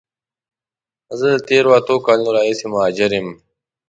زه د تیرو اته کالونو راهیسی مهاجر یم.